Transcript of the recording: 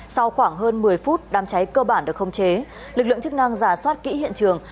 sau khoảng hơn một mươi phút đám cháy cơ bản được không chế lực lượng chức năng giả soát kỹ hiện trường